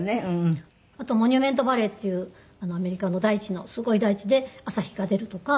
あとモニュメントバレーっていうアメリカの大地のすごい大地で朝日が出るとか。